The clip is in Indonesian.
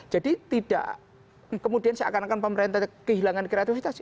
jadi tidak kemudian seakan akan pemerintah kehilangan kreativitas